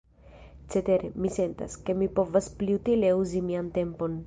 Cetere, mi sentas, ke mi povas pli utile uzi mian tempon.